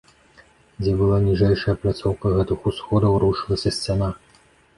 Дзе была ніжэйшая пляцоўка гэтых усходаў, рушылася сцяна.